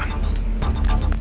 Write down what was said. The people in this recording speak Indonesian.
tunggu aku mau ngajakin